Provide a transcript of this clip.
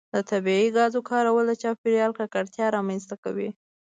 د طبیعي ګازو کارول د چاپیریال ککړتیا رامنځته کوي.